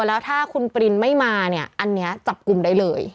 แล้วถ้าคุณปรินไม่มาเนี่ยอันนี้จับกลุ่มได้เลย